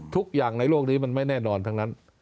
ทุกอย่างในโลกนี้มันไม่แน่นอนทั้งนั้น